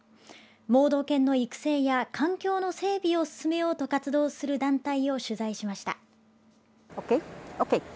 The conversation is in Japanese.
盲導犬の育成や環境の整備を進めようと活動する団体を取材しました。